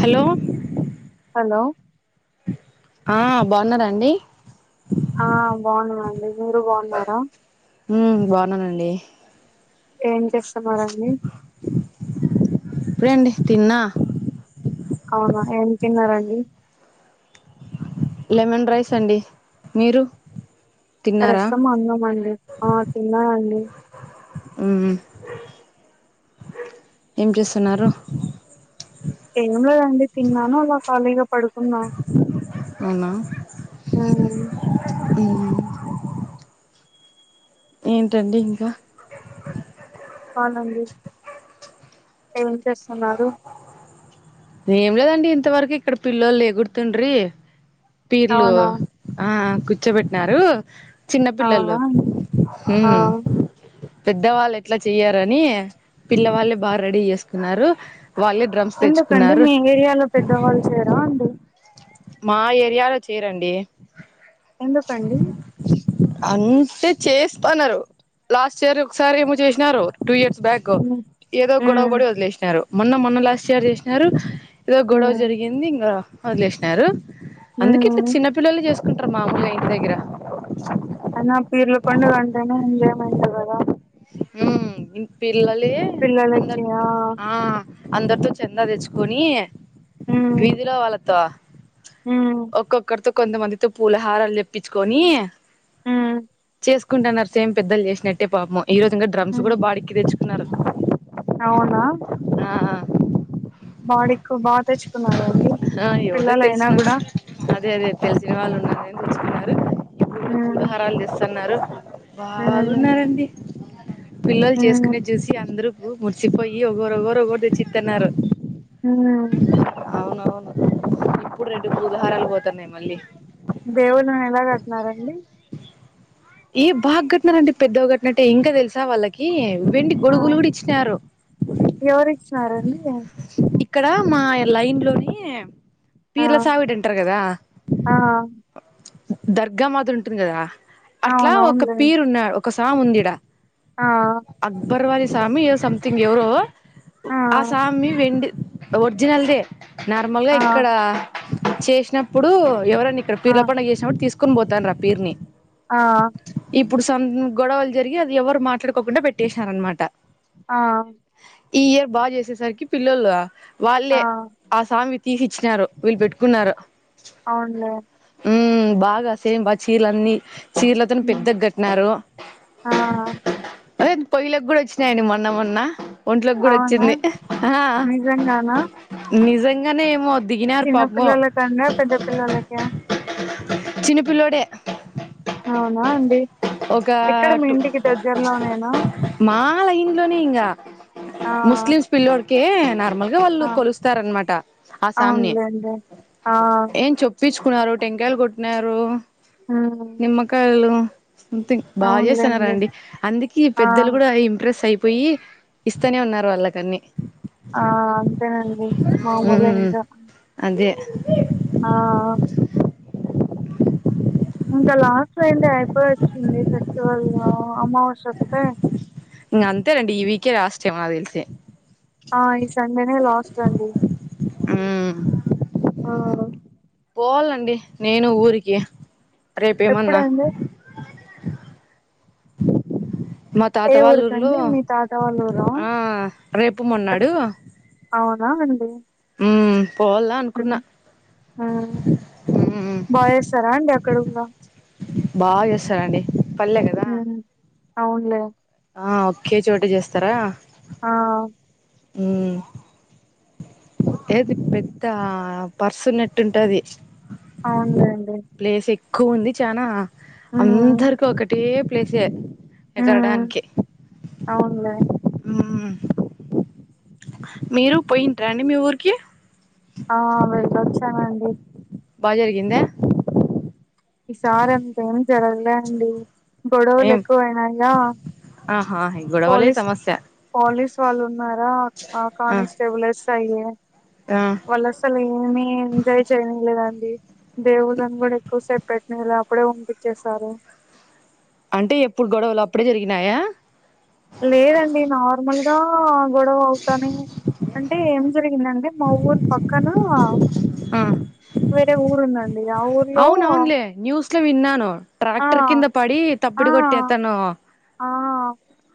Hello hello ఆ బాగున్నారాండి ఆ బాగున్నామండి మీరు బాగున్నారా మ్ బాగున్నానండి ఏం చేస్తున్నారండి ఇప్పుడే అండి తిన్న అవునా ఏం తిన్నరండి లెమన్ రైస్ అండి మీరు తిన్నారా రసం అన్నం అండి ఆ తిన్నానండి మ్ ఏం చేస్తున్నారు ఏం లేదండి తిన్నాను ఇగ ఖాళీగా పడుకున్నా అవునా ఉమ్ మ్ ఏంటండి ఇంకా అవునండి ఏం చేస్తున్నారు ఏం లేదండి ఇంతవరకు ఇక్కడ పిళ్ళోళ్ళు ఎగురుతుండ్రి పీర్లు అవునా ఆ కూర్చోబెట్టినారు చిన్న అవునా పిల్లోళ్ళు ఆ మ్ పెద్దవాళ్ళు ఎట్లా చెయారని పిల్ల వాళ్ళే బాగా రెడీ చేసుకున్నారు వాళ్ళే డ్రమ్స్ తెచ్ అంటే మీ ఏరియాలో పెద్దవాళ్ళు చేయరా అండి మా ఏరియాలో చేయరండి ఎందుకండి అంటే చేస్థాన్నారు లాస్ట్ ఇయర్ ఒకసారి ఏమో చేసినారు టూ ఇయర్స్ బ్యా క్ ఉమ్ ఏదో గొడవ ఉమ్ పడి వదిలేసినారు మొన్న మొన్న లాస్ట్ ఇయర్ చేసినారు ఏదో గొడవ ఉమ్ జరిగింది ఇంగా వదిలేసినారు అందుకె ఇట్లా ఉమ్. చిన్న పి పిల్లలు చేసుకుంటారు మాములుగా ఇంటి దగ్గర అయినా పీర్ల పండుగా అంటేనే ఎంజాయ్మెంట్ కదా మ్ ఇక్ పిల్లలె అందర్ ఆ అందరితో చంద తెచ్చుకొని ఉమ్ వీధిలో వాళ్ళతో ఉమ్ ఒక్కొక్కరితో కొంతమందితో పూలహారాలు తెప్పించుకొని ఉమ్ చేసుకుంటున్నారు సేమ్ పెద్దలు చేసినట్టే పాపం ఈ రోజు ఇంగ డ్రమ్స్ హ్మ్ కూడా బాడిక్కి తెచ్చుకున్నారు అవునా ఆ బాడిక్కు బాగా తెచ్చుకున్నారే అండి ఆ ఎవరో పిల్లలు అయినా తెలిసిన కూడా అదే అదే తెలిసిన వాళ్ళు ఉన్నారని తెచ్చుకున్నారు ఇప్పుడు కూడా హ్మ్. పూలుహారాలు తెస్తున్నారు హ్మ్. బాగున్నారు అండి పిల్లలు హ్మ్. చేసుకునేది చూసి అందరూ మురిసిపోయి ఒకరు ఒకరు ఒక్కోటి తెచ్చిత్తన్నారు హ్మ్ అవును అవును ఇప్పుడు రెండు పూలహారాలు పోతున్నాయి మళ్ళీ దేవుళ్ళని ఎలా కట్టినారండి ఏ బాగ్గట్టినారండి పెద్దవి గట్టినట్టే ఇంకా తెలుసా వాళ్ళకి వెండి గొడుగులు కూడా ఇచ్చినారు ఎవరు ఇచ్చినారు అండి ఇక్కడ మా లైన్ లోని ఆ! పీర్ల సావిడి అంటరు కదా ఆ దర్గా మాదిరి ఉంటుంది కదా అట్లా ఒక అవునవునులేండి. పీరు ఉన్నా ఒక సాముంది ఈడ ఆహ అక్బర్ వలి స్వామి ఏదో సమ్ థింగ్ ఎవరో ఆ స్వామి వెండి ఒరిజినల్దే నార్మల్ గా ఆ! ఇక్కడ చేసినప్పుడు ఎవరని ఇక్కడ ఆ! పీర్ల పండుగ చేసినప్పుడు తీసుకొని పోతాండ్రి ఆ పీరుని ఆ ఇప్పుడు సమ్ గొడవలు జరిగి అది ఎవ్వరు మాట్లాడుకోకుండా పెట్టేసినార అనమాట ఆ ఈ ఇయర్ బాగా చేసేసరికి పిల్లొల్లు ఆ! వాళ్ళే ఆ స్వామి తీసి ఇచ్చినారు వీళ్ళు పెట్టుకున్నారు అవునులే ఉమ్ బాగా సేమ్ చీరలన్నీ చీరలతోనే హ్మ్. పెద్దగ కట్టినారు ఆ! పొయ్యిలోకి కూడా వచ్చినాయండి మొన్న మొన్న ఒంట్లోకి కూడా అవునా? వచ్చింది హా ఆ నిజంగానా? నిజంగానే ఏమో దిగినారు చిన్న పాపము పిల్లల కన్నా పెద్ద పిల్లలకా చిన్నపిల్లోడే అవునా అండి ఒక ఎక్కడ మీ టు ఇంటికి దగ్గర్లోనే నా మా లైన్లోనే ఇంగా ఆ ముస్లిమ్స్ పిల్లోడికే నార్మల్ వే వాళ్ళు ఆ! కొలుస్తారు అనమాట ఆ సామ్ని అవునులేండి. ఆ! ఏం చెప్ పిచ్చుకున్నారు టెంకాయలు కొట్టినారు ఆ నిమ్మకాయలు సంథింగ్ బాగా అవునులేండి. చేస్సనారండి అందుకే ఈ ఆ! పెద్దలు కూడా ఇంప్రెస్స్ అయిపోయి ఇస్తానే ఉన్నారు వాళ్ళకన్నీ ఆ అంతేనండి మామూలే మ్మ్ ఇంకా అదే ఆ ఇంకా లాస్ట్ ఏంది అయిపోయచ్చింది ఫెస్టివల్ అమావాస్య వస్తే ఇంగ అంతే లెండి ఈ వీకే లాస్టేమో నాక్ తెలిసి ఆ ఈ సండేనే లాస్ట్ అండి ఉమ్ ఆ! పోవాలండి నేను ఊరికి రేపేమన్నా ఎప్పుడండి? మత్ ఏ తాతవాళ్ళూర్లో ఊరికండి? మీ తాత వాళ్ళ ఊరా? ఆ రేపు ఎప్ మొన్నాడు అవునా అండి హ్మ్ పొవాలా హ్మ్ హా బా చేస్తారా అండి అక్కడ కూడా బా చేస్తారండి పల్లె కదా హ్మ్ అవునులే ఆ ఒక్కెచోట చేస్తారా ఆ హ్మ్ ఏది పెద్ద పర్సు ఉన్నట్టు ఉంటది అవున్లెండి ప్లేస్ ఎక్కువ ఉంది చానా హ్మ్. అందరికి ఒకటే ప్లేసే ఎగరడానికె అవున్లె ఉమ్ మీరు పోయిండ్రా అండి మీ ఊరికి ఆ వెళ్ళొచ్చామండి బా జరిగిందా ఈ సారి అంత ఏం జరగలేదండి గొడవలు ఏం ఎక్కువైనాయా ఆహా హై పోలీస్ పోలీస్ వాళ్ళు ఉన్నారా ఆ కానిస్టేబుల్ ఎస్. ఐ యి ఆ అసలు ఏమి ఎంజాయ్ చేయలేదండి దేవుళ్ళని కూడా ఎక్కువ సేపు పెట్నీయలె అప్పుడే పంపించేసినారు అంటే ఎప్పుడు గొడవలు అప్పుడే జరిగినాయా లేదండి నార్మల్గా గొడవ అవుతానే అంటే ఏం జరిగిందంటే మా ఊరు పక్కన ఆ వేరే ఊరు ఉందండి ఆ ఊరు అవున అవున్లే న్యూస్ లో విన్నాను ఆ ట్రాక్టర్ కింద పడి తప్పిడి ఆ కొట్టేతను ఆ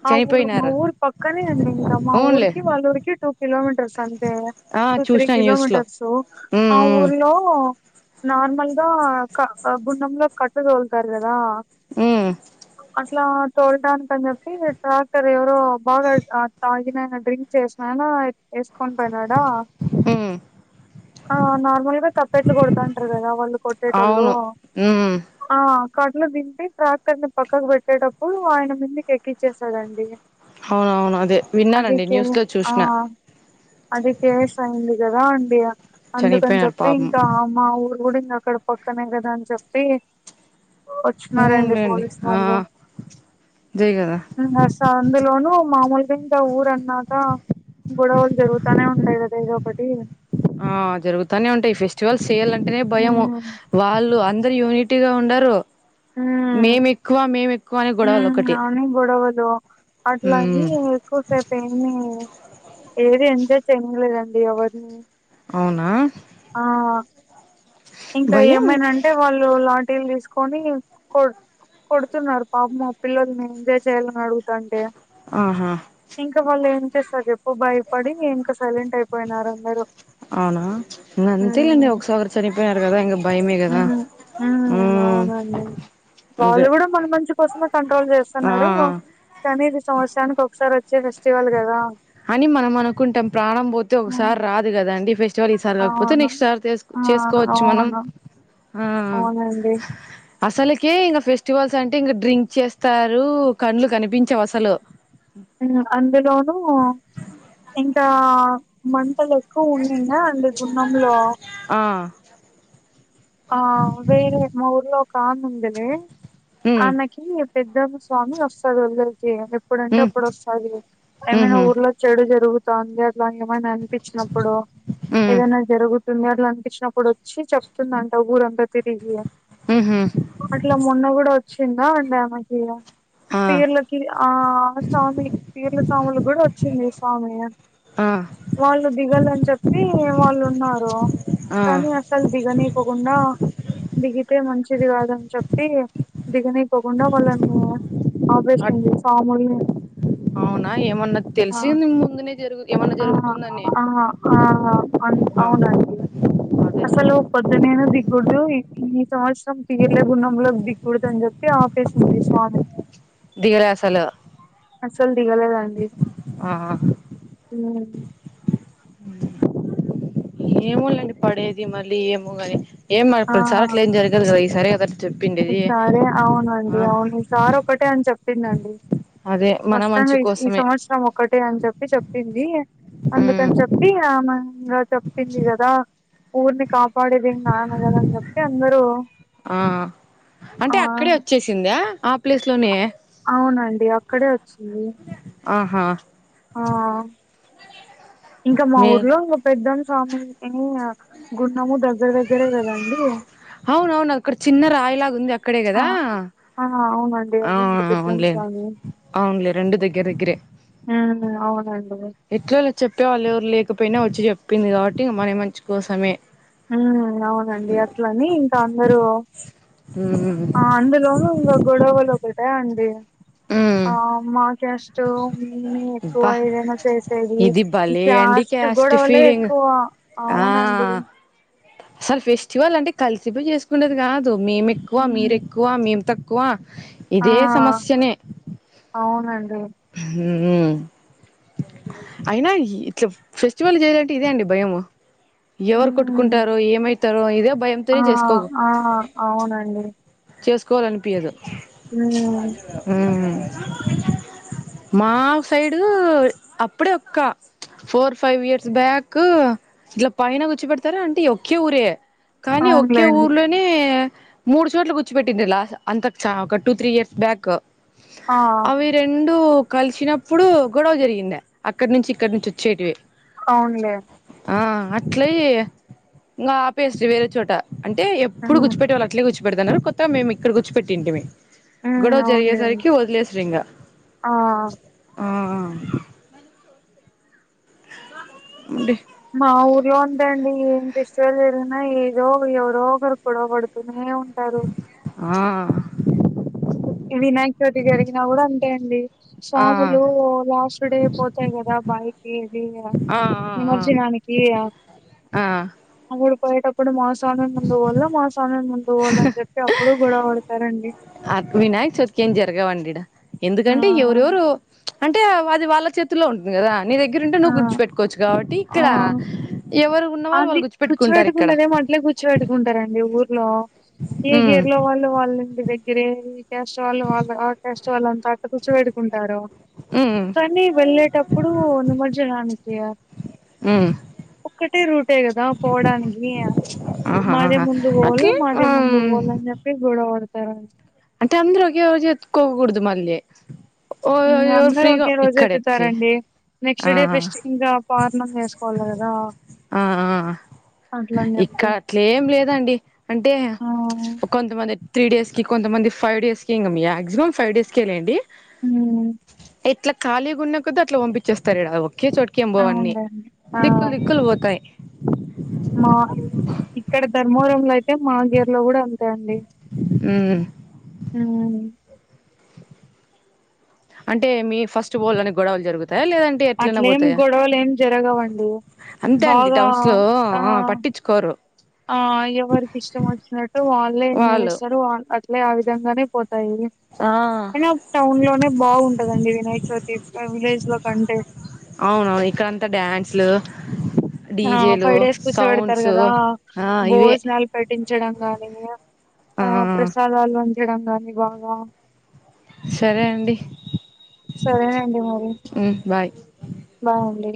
ఆ ఊరు మా ఊరు పక్కనే అండి ఇంకా మా అవునులే ఊరికి వాళ్ళ ఊరికి టూ కిలోమీటర్స్ సంతే ఆ టూ త్రీ చూసిన న్యూస్ లో కిలోమీటర్సు ఆ ఉమ్ ఊర్లో నార్మల్ గా క అ గుండంలో కట్టలు తోలుతారు కదా హ్మ్ అట్లా తోల్డానికి అన్ జెప్పి ట్రాక్టర్ ఎవరో బాగా అ తాగినాయన డ్రింక్ చేస్నైన ఎస్కొన్పోయినాడా ఉమ్ ఆ నార్మల్గా తప్పెట్లు కొడుతాంటారు కదా వాళ్ళు కొట్టేటోళ్ళు అవును ఉమ్ ఆ కట్లు దింపి ట్రాక్క్కర్ ని పక్కకు పెట్టేటప్పుడు ఆయన మీదికి ఎక్కిచ్చెసాడండి అవునవును అదే విన్నానండి న్యూస్ లో చూసిన ఆ! అది కేస్ అయింది కదా అండి అందుకని చనిపోయినారు చెప్పి పాపం ఇంకా మా ఊరు కూడా ఇంక అక్కడ పక్కనే కదా అని చెప్పి వచ్చినారండి పోలీసు వాళ్ళు దే కదా ఇంగ అసల్ అందులోనూ మామూలగా ఇంకా ఊర న్నాక గొడవలు జరుగుతానే ఉంటాయి కదా ఎదో ఒకటి ఆ జరుగుతనే ఉంటాయి ఫెస్టివల్స్ చేయాలంటేనే భయము హ్మ్ వాళ్ళు అందరు యూనిటీగ ఉండరు మేం ఎక్కువ మేము ఎక్కువ అని గొడవలు ఒకటి అట్లా అది ఉమ్ ఎక్కువసేపె ఏది ఎంజాయ్ చేయలేదండి ఎవరిని అవునా ఆ ఇంక భయం ఏమైనా అంటే వాళ్ళు లాటీలు తీసుకొని కొ కొడుతున్నారు పాపం ల పిల్లల్ని ఎంజాయ్ చేయాలని అడుగుతుాంటే ఆహ ఇంక వాళ్ళు ఏం చేస్తారు ఎప్పు భయపడి ఇంకా సైలెంట్ అయిపోయినారు అందరుూ అవునా అంతేలేండి ఒకసారి చనిపోయినారు కదా ఇంక భయమే కదా హ్మ్ ఉ హ్మ్ అవునండి. వాళ్ళు కూడ మన మంచి కోసమే కంట్రోల్ ఆ చేస్తున్నారు కా నీ ఇది సంవత్సరానికి ఒకసారి వచ్చే ఫెస్టివల్ కదా అని మనం అనుకుంటాం ప్రాణం పోతే హ్మ్ ఒకసారి రాదు కదా అండి ఫ చో ఈ సార్ లేకపోతే అవును. నెక్స్ట్ సార్ ఆ! చేసుకోవచ్చు మనం అవును. ఆ అవునండి. అసలుకే ఇంకా ఫెస్టివల్స్ అంటే ఇంకా డ్రింక్ చేస్తారు కండ్లు కనిపించవు అసలు అందులోనూ ఇంకా మంటలు ఉన్నయినా అంత గున్నంంలో ఆ ఆ వేరే మా ఊర్లో ఒకామె ఉందులే మ్మ్ ఆన్నకి పెద్దమ్మ స్వామి వస్తది ఒల్లరికి ఎప్పుడుంటే మ్మ్ అప్పుడు వస్తుంది ఏమైనా మ్హు ఊర్లో చెడు జరుగుతుంది అట్ల ఏమైనా అనిపించినప్పుడు మ్మ్ ఏదైనా జరుగుతుంది అట్లు అనిపించినప్పుడు వచ్చి చెప్తుందంట ఊరంతా తిరిగి ఉహు అట్లా మొన్న కూడ వచ్చిందా అండి ఆమెకి ఆ పేర్లకి ఆ స్వామి తీర్ల స్వాములు కూడ వచ్చింది స్వామి ఆ వాళ్ళు దిగలని చెప్పి వాళ్ళు ఉన్నారు ఆ కానీ అసలు దిగని కోకుండా దిగితే మంచిది కాదని చెప్పి దిగనిపోకుండ వాళ్ళని అట్ అపేసింది సాముూలు అవునా ఏమన్నా తెలిసి ముందునే జరుగు ఏమన్నా ఆ జరుగుతుందని ఆహ ఆహ అ అవునండి మరి అసలు పొద్దు నేను దిగకూడదు ఈ సంవత్సరం తీర్లే గున్నంలోకి దిగకూడదు అని చెప్పి ఆపేసింది స్వామి దిగలే అసలు అస్సలు ఆా మ్ ఏమోలేండి పడేది మళ్ళీ ఏమో కాని ఏం మరి ఆ! ప్రతి సారి అట్లే ఏం జరిగదు కదా ఈ సారి అద్ ఈసారే అవునండి అవును ఈసారి ఒక్కటే అని చెప్తుందండి అదే మన మంచి స్పష్టంగా ఈ కోసమే సంవత్సరం ఒకటే అని చెప్పి చెప్పింది ఉమ్ అందుకని చెప్ ప్పి ఆమె ఇంగ చెప్పింది కదా ఊర్ని కాపాడేది ఇంగ ఆమె కదా అని చెప్తే అందరు ఆ అంటే అక్కడే వచ్చేసిందా ఆ ప్లేస్ లోనే అవునండి అక్కడే వచ్చింది ఆహా ఆ ఇంకా మా మే ఊర్లో పెద్దం స్వామిని గుండము దగ్గర దగ్గరే కదండి అవున అవును అక్కడ చిన్న రాయిలాగుంది అక్కడే ఆ కదా ఆ అవునండి ఆ అది ఇంక అవునులేండి పెద్దంస్వామి అవునులే రెండు దగ్గర అవునా అవునండి ఎట్లా చెప్పే వాళ్ళు ఎవరు లేకపోయినా వచ్చి చెప్పింది కాబట్టి ఇగ మన మంచి కోసమే మ్ అవునండి అట్లని ఇంకా అందరు మ్ హు ఆ అందులోను ఇంగ గొడవలు ఒకట అండి ఉమ్ ఆ మా క్యాస్ స్ట్ మీమే ఎక్కువ అబ్బా ఏదైనా చేసేది ఇది ఈ భలే అండి క్యాస్ట్ గోడవలే ఫీలింగ్ ఎక్కువ ఆ అవునండి అసలు ఫెస్టివల్ అంటే కలిసి పోయ్ చేసుకుంటరు కా త్ మీం ఎక్కువ హ్మ్ మీరేక్కువ మీమ్ తక్కువ ఆ ఇదే సమస్యనే అవునండి మ్ అయినా ఇట్లా ఫెస్టివల్ చేయాలంటే ఇదే అండి భయము ఎవరు హ్మ్ కొట్టుకుంటారో ఏమైతారో ఇదే భయం ఆ ఆ అవునండి చేసుకోవాలనిపియదు హ్మ్ మ్ మా సైడు అప్పుడే ఒక్క ఫోర్ ఫైవ్ ఇయర్స్ బ్యాక్ ఇట్లా పైన కూర్చి పెడుతర అంటే ఒకే ఊరే కానీ ఒకే అవునులేండి. ఊర్లో నే మూడు చోట్ల గుర్చ్చిపెట్టింది లా అంత ఒక టూ త్రీ ఇయర్స్ బ్యాక్ ఆ! అవి రెండు కలిసినప్పుడు గొడవ జరిగింద అక్క నుంచి ఇక్కడ నుంచి వచ్చేటివి అవునులే ఆ అట్లే ఇంకా ఆపేస్తి వేరే చోట అంటే ఎప్ హ్మ్. ప్పుడుర్చపెట్టే వాళు అట్లే గుర్చి పెడుతన్నారు కొత్తగ మేము ఇక్కడ కూర్చోపెటింటి మీ హ్మ్. గొడవ అవునులేండి. జరిగేసరికి వదిలేసరింగా ఆ! ఆ అండి మా ఊర్లో ఉంతె అండి ఏం ఫెస్టివల్ జరిగిన ఏదో ఎవరో ఒకరు గోడవపడుతునే ఉ టారు ఆ వినాయ చవితి జరిగినా కూడా అంతే అండి ఆ స్వాములు లాస్ట్ డే పోతాయి కదా బైకి ఇది ఆ ఆ నిమజ్జనానికి ఆ అముడు పోయేటప్పుడు మా స్వామి ముందు పోళ్ళ మా స్వామి ముందు పోళ్ళ అని చెప్పి అప్పుడు గొడవ పడతారండి వినాయక చవితికి ఏం జరగవండి ఇడ ఆ! ఎందుకంటే ఎవరెవరు అంటే అది వాళ్ళ చేతుల్లో ఉంటుంది కదా నీ దగ్గర ఉంటే ఆ! నువ్వు గుర్చుపెట్కోవచ్చు కాబట్టి ఇక్కడ ఆ! ఎవరు ఉన్న వాళ్ళు వాళ్ళు గుర్చుపెట్టుకుంటారు ఇక్కడ కూర్చు పెట్టుకుంటారండి ఊర్లో ఏ ఉమ్ గేర్లో వాళ్ళు వాళ్ళంటి దగ్గరే కాస్ట్ వాళ్ళు వాళ్ళ ఆ కాస్ట్ వాళ్ళంతా అక్కడ కూర్చిపెట్కుంటారు ఉమ్ కానీ వెళ్ళేటప్పుడు ఉందు నిమర్జరానికియ ఉమ్ ఒక్కటే రూటే కదా పోవడానికి ఆహా మాదే ఆహా ముందు పోల అట్లే మాదే ముందు ఉమ్ పోల అని చెప్పి గొడవ వాడతారు అంటె అందరు ఒకేరోజు ఎత్తుకొకుడదు మళ్ళీ ఓ ఇంగ ఎవరు అందరు ఫ్రీగా ఒకే రోజు ఇక్కడ ఎట్లే ఎత్తుతారండి నెక్స్ట్ ఆ డే బెస్ట్ ఇంకా పార్ణం వేసుకోవాలి కదా ఆ ఆ అట్లని చెప్పి ఇక్కడ అట్లేం లేదండి అంటే ఆ కొంతమంది త్రీడేస్ కి కొంతమంది ఫైవ్ డేస్కి ఇంగ మ్యాక్సిమం ఫైవ్ డేస్కె లెండి ఉ ఎట్లా ఖాలీ గా ఉన్న కొద్ది అట్ల పంపిచెస్తారు ఇడ ఒకే చోట కేం బోవన్నీ అవునులేండి ఆ దిక్కులు దిక్కులు పోతయి మా ఇక్కడ ధర్మవరం లో అయితే మాగిర్లో కూడా అంతే అండి ఉ ఉ అంటే మీ ఫస్ట్ బోల్ల నే గొడవలు జరుగుతాయా లేదంటే ఎట్లనే అట్లేం పోతాయ గొడవలు ఏం జరగవండి అంతే అండి బాగా టౌన్సులో ఆ పట్టించు కోరు ఆ ఎవరికి ఇష్టం వచ్చినట్టు వాళ్ళే ఎంజాయ్ వాళ్ళు చేస్తారు వా అట్లే ఆ విధంగానే పోతాయి ఆ అయినా టౌన్ లోనే బాగుంటదండి వినాయక చవితి విలేజ్ లో కంటే అవునవును ఇక్కడంత డ్యాన్సులు ఆ ఫైవ్ డేస్ కూర్చోబెడతారు కదా ఆ ఇవే బోజనల్ పటించడం గాని ఆ ప్రసాదాలు పంచడం గాని బాగా సరే అండి సరెనండి మరి ఉ బాయ్ బాయండి